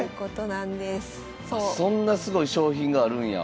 そんなすごい賞品があるんや。